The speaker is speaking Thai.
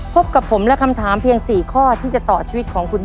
พบกับผมและคำถามเพียง๔ข้อที่จะต่อชีวิตของคุณ